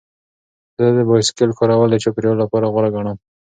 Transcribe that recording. زه د بایسکل کارول د چاپیریال لپاره غوره ګڼم.